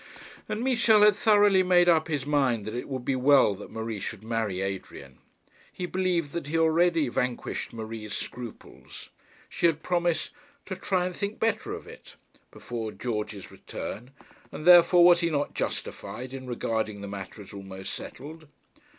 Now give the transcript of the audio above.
And Michel had thoroughly made up his mind that it would be well that Marie should marry Adrian. He believed that he had already vanquished Marie's scruples. She had promised 'to try and think better of it,' before George's return; and therefore was he not justified in regarding the matter as almost settled?